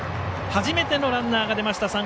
初めてのランナーが出ました